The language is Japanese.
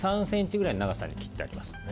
３ｃｍぐらいの長さに切ってあります。